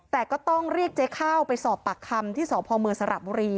แต่ก็ต้องเรียกเจ๊ข้าวไปสอบปากคำที่สพเมืองสระบุรี